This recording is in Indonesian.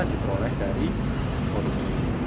diperoleh dari korupsi